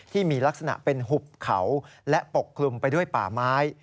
ที่มีลักษณะเป็นหุบเขาและปกคลุมไปด้วยป่าไม้